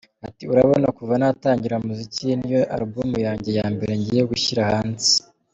Ati “Urabona kuva natangira umuziki iyi niyo album yanjye ya mbere ngiye gushyira hanze.